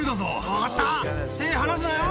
分かった手離すなよ！